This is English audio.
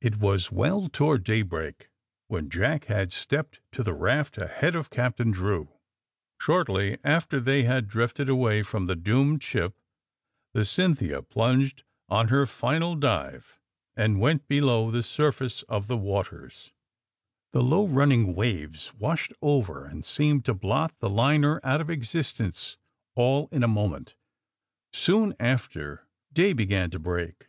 It was well toward daybreak when Jack had stepped to the raft ahead of Captain Drew; shortly after they had drifted away from the doomed ship the ^^ Cynthia '' plunged on her final dive and went below the surface of the waters. 144 THE SUBMAEINE BOYS The low running waves washed over and seemed to blot the liner out of existence all in a mo ment. Soon after day began to break.